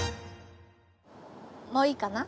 もういいかな？